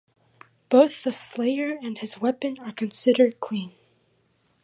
Both the slayer and his weapon are considered clean.